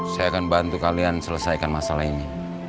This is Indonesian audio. saya akan bantu kalian selesaikan masalah ini